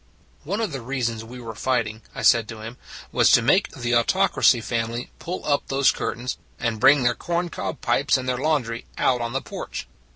One of the reasons we were fighting, I said to him, was to make the Autocracy family pull up those curtains, and bring their corn cob pipes and their laundry out on the porch.